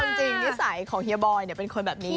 เอาจริงนิสัยของเฮียบอยเป็นคนแบบนี้